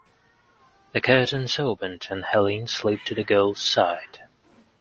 The curtains opened, and Helene slipped to the girl's side.